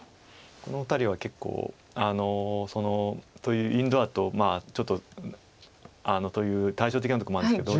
このお二人は結構というインドアとちょっとあのという対照的なとこもあるんですけど。